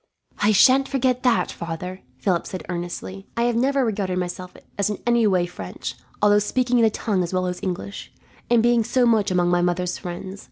"I sha'n't forget that, father," Philip said earnestly. "I have never regarded myself as in any way French; although speaking the tongue as well as English, and being so much among my mother's friends.